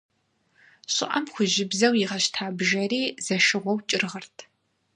ЩӀыӀэм хужьыбзэу игъэщта бжэри зэшыгъуэу кӀыргъырт.